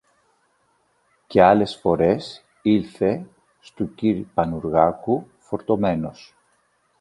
Και άλλες φορές ήλθε στου κυρ Πανουργάκου φορτωμένος